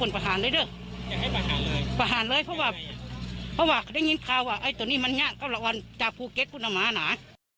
เพราะว่าได้ยินข่าวว่าไอ้ตัวนี้มันญาติก็ละวันจากภูเกษทธุ์พุนัมมาหนา